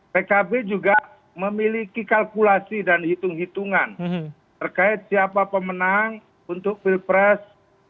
pkb juga memiliki kalkulasi dan hitung hitungan terkait siapa pemenang untuk pilpres dua ribu sembilan belas